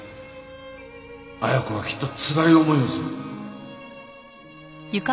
綾子はきっとつらい思いをする。